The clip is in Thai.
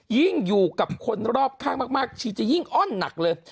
ยิ่งอยู่กับคนรอบข้างมากชีจะยิ่งอ้อนหนักเลย